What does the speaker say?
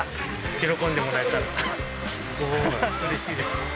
喜んでもらえたらうれしいです。